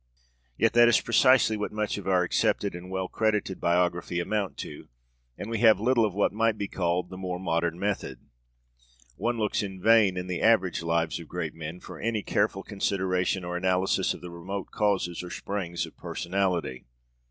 Yet that is precisely what much of our accepted and well credited biography amount to, and we have little of what might be called the more modern method. One looks in vain in the average Lives of great men for any careful consideration or analysis of the remote causes or springs of personality.